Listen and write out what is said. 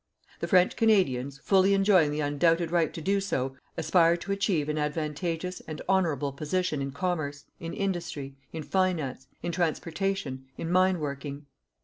The French Canadians, fully enjoying the undoubted right to do so, aspire to achieve an advantageous and honourable position in commerce, in industry, in finance, in transportation, in mine working.